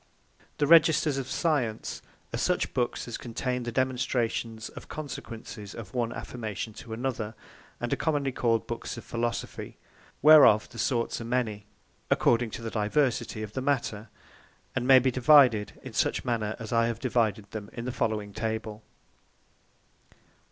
The Registers of Science, are such Books as contain the Demonstrations of Consequences of one Affirmation, to another; and are commonly called Books of Philosophy; whereof the sorts are many, according to the diversity of the Matter; And may be divided in such manner as I have divided them in the following Table.